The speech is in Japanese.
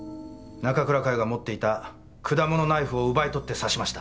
中倉佳世が持っていた果物ナイフを奪い取って刺しました。